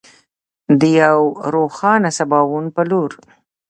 د یو روښانه سباوون په لور.